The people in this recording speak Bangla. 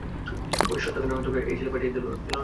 ওই সস্থা গান তোকে এই ছেলে পাঠিয়ে ছিলো না?